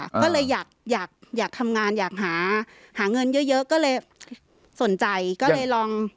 ก็เลยอยากอยากอยากทำงานอยากหาหาเงินเยอะเยอะก็เลยสนใจก็เลยลอง